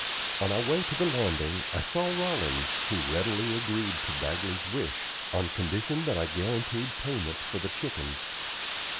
On our way to the landing I saw Rollins, who readily agreed to Bagley's wish, on condition that I guaranteed payment for the chickens.